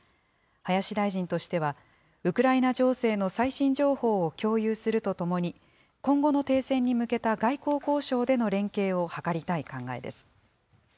林大臣としては、ウクライナ情勢の最新情報を共有するとともに、今後の停戦に向けた外交交渉での連携を図りたい考えです。